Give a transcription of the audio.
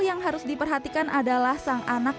yang harus diperhatikan adalah sang anak